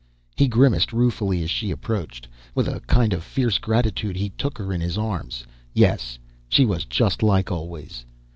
He grimaced ruefully as she approached. With a kind of fierce gratitude, he took her in his arms. Yes, she was just like always.